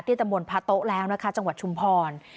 ตำบลพระโต๊ะแล้วนะคะจังหวัดชุมพร